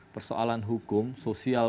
persoalan hukum sosial